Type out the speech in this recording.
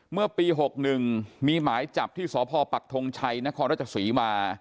เมื่อปี๖๑มีหมายจับที่สพปักทงชัยนครราชศรีมา